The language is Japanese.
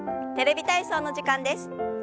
「テレビ体操」の時間です。